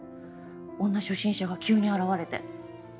女初心者が急に現れて。